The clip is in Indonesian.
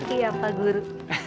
iya pak guru